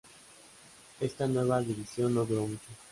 Esta nueva división no duró mucho.